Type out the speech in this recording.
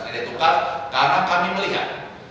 tidak tukar karena kami melihat